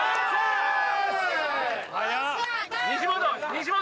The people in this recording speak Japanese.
西本！